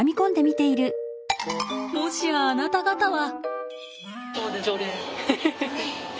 もしやあなた方は。